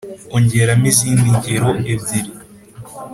ongeramo izindi ngero ebyiri